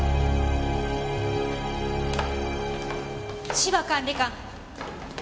芝管理官！